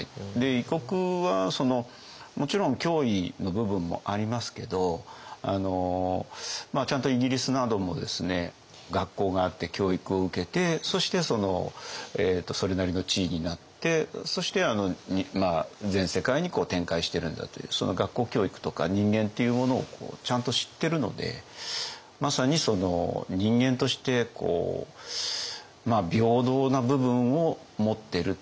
異国はもちろん脅威の部分もありますけどちゃんとイギリスなどもですね学校があって教育を受けてそしてそれなりの地位になってそして全世界に展開してるんだという学校教育とか人間っていうものをちゃんと知ってるのでまさに人間として平等な部分を持ってるっていうか